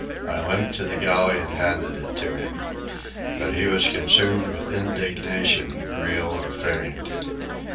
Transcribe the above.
I limped to the galley and handed it to him. But he was consumed with indignation, real or feigned.